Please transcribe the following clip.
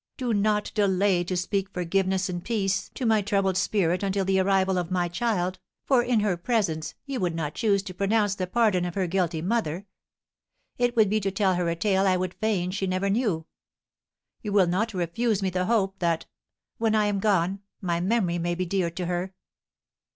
Do not delay to speak forgiveness and peace to my troubled spirit until the arrival of my child, for in her presence you would not choose to pronounce the pardon of her guilty mother. It would be to tell her a tale I would fain she never knew. You will not refuse me the hope that, when I am gone, my memory may be dear to her?"